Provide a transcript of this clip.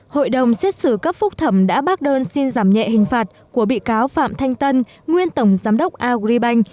hội đồng xét xử cấp phúc thẩm đã bác đơn xin giảm nhẹ hình phạt của bị cáo phạm thanh tân nguyên tổng giám đốc agribank